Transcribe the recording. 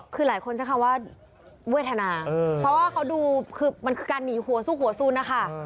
คือหลายคนใช้คำว่าเวทนาเพราะว่าเขาดูคือมันคือการหนีหัวสู้หัวซูนนะคะ